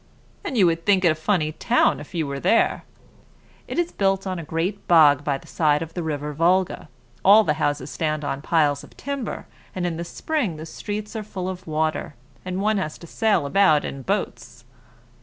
"And you would think it a funny town if you were there. It is built on a great bog by the side of the river Volga; all the houses stand on piles of timber, and in the spring the streets are full of water, and one has to sail about in boats."